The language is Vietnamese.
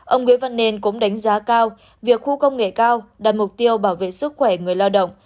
ông nguyễn văn nên cũng đánh giá cao việc khu công nghệ cao đặt mục tiêu bảo vệ sức khỏe người lao động